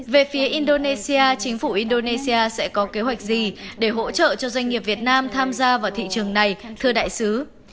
về phía indonesia chính phủ indonesia sẽ có kế hoạch gì để hỗ trợ cho doanh nghiệp việt nam tham gia vào thị trường này thưa đại sứ